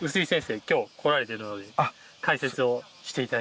今日来られてるので解説をして頂きたいと思います。